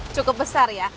cukup besar ya